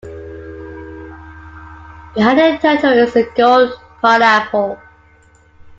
Behind the turtle is a gold pineapple.